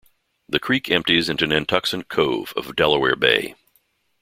The creek empties into Nantuxent Cove of Delaware Bay.